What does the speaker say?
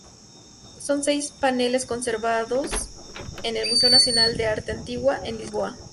Son seis paneles conservados en el Museo Nacional de Arte Antigua, en Lisboa.